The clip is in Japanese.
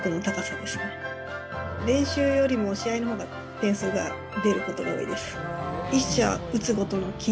練習よりも試合のほうが点数が出ることが多いです。